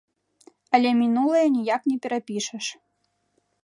Але мінулае ніяк не перапішаш.